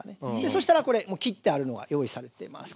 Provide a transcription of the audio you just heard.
そしたらこれもう切ってあるのが用意されてます。